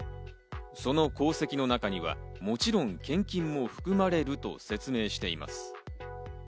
その功績の中にはもちろん献金も含まれると説明しています。